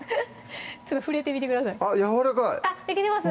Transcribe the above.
ちょっと触れてみてくださいあっやわらかいいけてます？